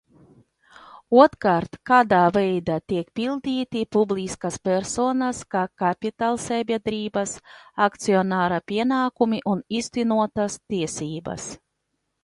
Otrkārt, kādā veidā tiek pildīti publiskās personas kā kapitālsabiedrības akcionāra pienākumi un īstenotas tiesības.